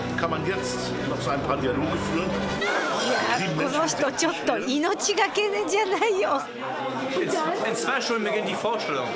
この人ちょっと命懸けじゃないよ。